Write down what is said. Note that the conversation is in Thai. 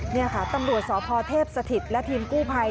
นี่ค่ะตำรวจสพเทพสถิตและทีมกู้ภัย